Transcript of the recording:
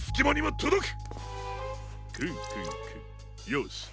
よし。